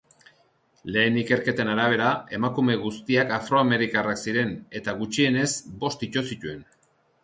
Lehen ikerketen arabera, emakume guztiak afroamerikarrak ziren eta gutxienez bost ito zituen.